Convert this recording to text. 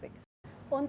berlangsung berapa lama